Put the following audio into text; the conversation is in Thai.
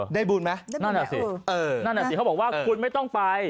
ได้บุญไหมได้บุญแหละเออนั่นแหละสิเขาบอกว่าคุณไม่ต้องไป